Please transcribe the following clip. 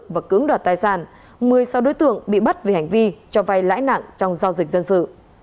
và cưỡng đoạt tài sản một mươi sáu đối tượng bị bắt vì hành vi cho vay lãi nặng trong giao dịch dân sự